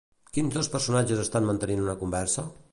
Quins dos personatges estan mantenint una conversa?